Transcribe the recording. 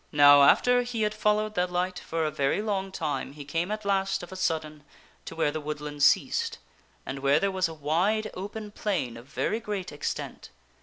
Now after he had followed the light for a very long time he came at last, of a sudden, to where the woodland ceased, and where there was a wide, open plain of very great extent.